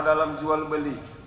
dalam jual beli